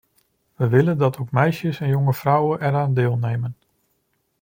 We willen dat ook meisjes en jonge vrouwen eraan deelnemen.